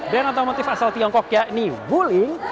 band otomotif asal tiongkok yakni wuling